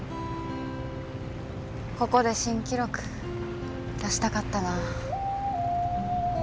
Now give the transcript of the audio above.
ここで新記録出したかったな。